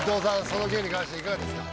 その件に関していかがですか？